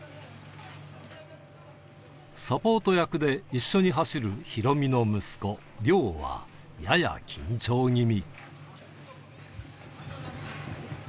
サポート役で一緒に走るヒロミの息子、凌央は、やや緊張気味。